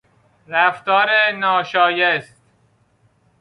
رفتار ناشایست